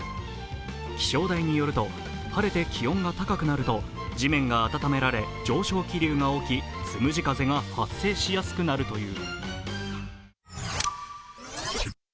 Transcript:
気象台によると、晴れて気温が高くなると地面が温められ上昇気流が起き、つむじ風が発生しやすくなるという。